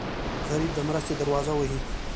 غریب د مرستې دروازه وهي